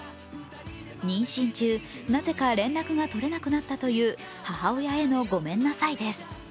妊娠中、なぜか連絡が取れなくなったという母親へのごめんなさいです。